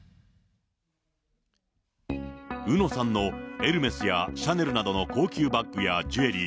うのさんのエルメスやシャネルなどの高級バッグやジュエリー